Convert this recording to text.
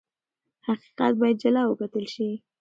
حقیقت باید جلا وکتل شي.